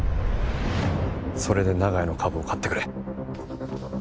それで長屋の株を買ってくれ。